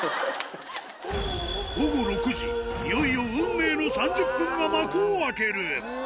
午後６時、いよいよ運命の３０分が幕を開ける。